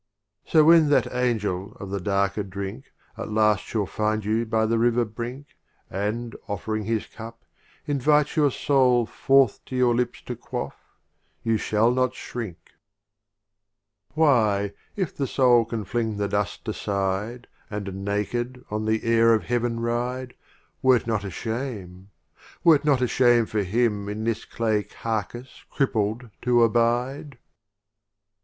So when that Angel of the darker Drink At last shall find you by the river brink, And, offering his Cup, invite your Soul Forth to your Lips to quaff — you shall not shrink. XLIV. Why, if the Soul can fling the Dust aside, And naked on the Air of Heaven ride, Were't not a Shame — were't not a Shame for him In this clay carcase crippled to abide